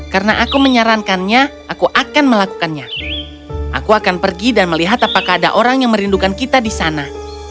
karena aku menyarankannya aku akan melakukannya aku akan pergi dan melihat apakah ada orang yang merindukan kita di sana